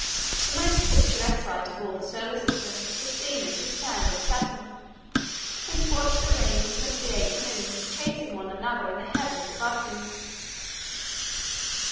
The most picturesque sight of all the Solar System is seen as you stand on Saturn, and watch the rings and the eight moons chasing one another in the heavens above you.